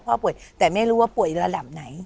พ่อป่วยแต่ไม่รู้ว่าป่วยระดับไหน